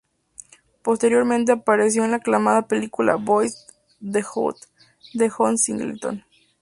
Posteriormente apareció en la aclamada película "Boyz N the Hood", de John Singleton.